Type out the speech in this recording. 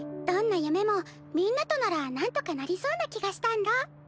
どんな夢もみんなとならなんとかなりそうな気がしたんだ。